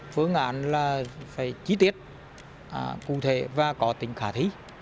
phương án là phải chi tiết cụ thể và có tính khả thi